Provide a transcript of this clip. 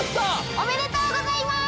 おめでとうございます！